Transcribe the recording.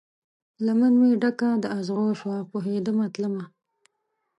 لمن مې ډکه د اغزو شوه، پوهیدمه تلمه